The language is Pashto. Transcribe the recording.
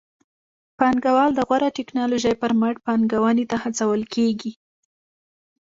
پانګوال د غوره ټکنالوژۍ پر مټ پانګونې ته هڅول کېږي.